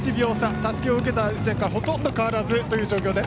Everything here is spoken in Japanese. たすきを受けた時からほとんど変わらずという状況です。